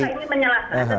oke mbak ini menjelaskan